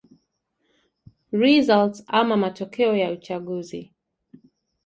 results amamatokeo ya uchaguzi